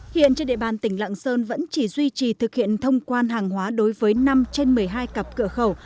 hiện trên địa bàn tỉnh lạng sơn vẫn chỉ duy trì thực hiện thông quan hàng hóa đối với năm trên một mươi hai cặp cửa khẩu